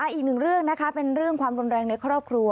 อีกหนึ่งเรื่องนะคะเป็นเรื่องความรุนแรงในครอบครัว